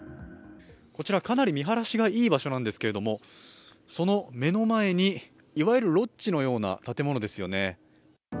こちら、かなり見晴らしがいい場所なんですけどその目の前に、いわゆるロッジのような建物ですよね。